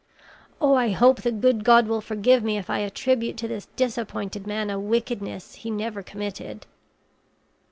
Oh, I hope the good God will forgive me if I attribute to this disappointed man a wickedness he never committed."